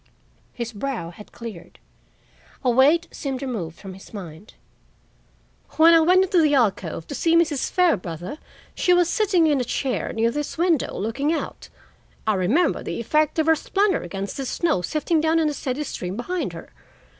His brow had cleared; a weight seemed removed from his mind. "When I went into the alcove to see Mrs. Fairbrother, she was sitting in a chair near this window looking out. I remember the effect of her splendor against the snow sifting down in a steady stream behind her.